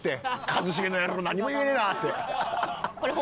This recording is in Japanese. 一茂の野郎何も言えねえなって。